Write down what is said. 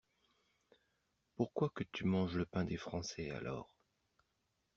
Pourquoi que tu manges le pain des Français, alors?